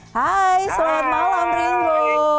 hai selamat malam ringo